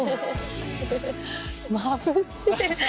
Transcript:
まぶしい！